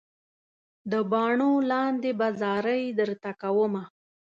د باڼو لاندې به زارۍ درته کوم.